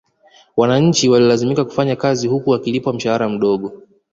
Wananchi walilazimika kufanya kazi huku wakilipwa mshahara mdogo